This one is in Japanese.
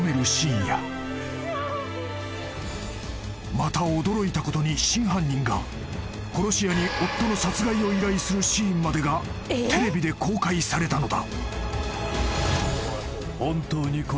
［また驚いたことに真犯人が殺し屋に夫の殺害を依頼するシーンまでがテレビで公開されたのだ］